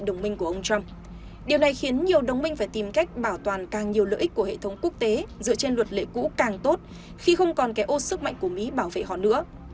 điều này khiến nhiều đồng minh phải tìm cách bảo toàn càng nhiều lợi ích của hệ thống quốc tế dựa trên luật lệ cũ càng tốt khi không còn cái ô sức mạnh của mỹ bảo vệ họ nữa